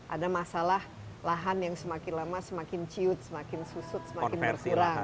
ada masalah lahan yang semakin lama semakin ciut semakin susut semakin berkurang